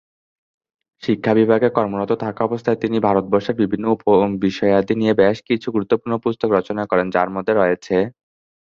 শিক্ষা বিভাগে কর্মরত থাকা অবস্থায় তিনি ভারতবর্ষের বিভিন্ন বিষয়াবলী নিয়ে বেশ কিছু গুরুত্বপূর্ণ পুস্তক রচনা করেন, যার মধ্যে রয়েছেঃ